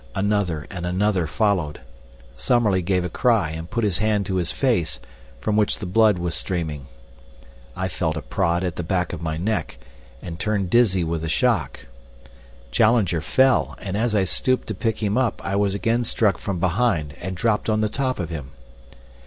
Another and another followed. Summerlee gave a cry and put his hand to his face, from which the blood was streaming. I felt a prod at the back of my neck, and turned dizzy with the shock. Challenger fell, and as I stooped to pick him up I was again struck from behind and dropped on the top of him.